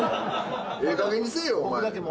ええかげんにせえよお前。